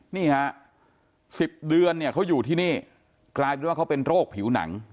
ทีพยานาสีก๑๐เดือนเขาอยู่ที่นี่กลายเป็นว่าเขาเป็นโรคผิวหนัง